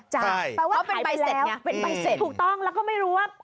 แปลว่าเป็นใบเสร็จเป็นใบเสร็จถูกต้องแล้วก็ไม่รู้ว่า